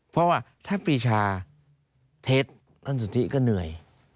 เพราะว่าถ้าปีชาเท็จท่านสุธิก็เหนื่อย